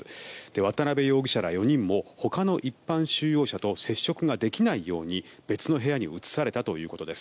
渡邉容疑者ら４人もほかの一般収容者と接触ができないように別の部屋に移されたということです。